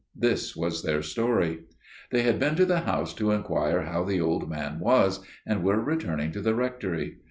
This was their story. They had been to the house to inquire how the old man was, and were returning to the Rectory.